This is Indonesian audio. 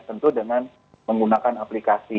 tentu dengan menggunakan aplikasi